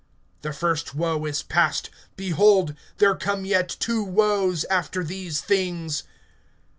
(12)The first woe is past; behold, there come yet two woes, after these things.